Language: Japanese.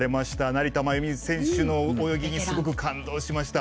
成田真由美選手の泳ぎにすごく感動しました。